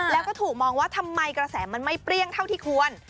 แล้วก็ถู่มองเรื่องกระแสทำไมไม่เปรี้ยงเท่าที่ควร